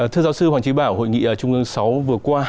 thưa giáo sư hoàng trí bảo hội nghị trung ương sáu vừa qua